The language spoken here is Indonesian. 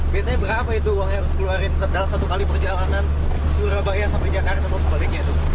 biasanya berapa itu uang yang harus keluarin dalam satu kali perjalanan surabaya sampai jakarta atau sebaliknya itu